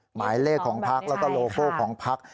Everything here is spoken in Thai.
หมายเลขของพักแล้วก็โลโก้ของพัก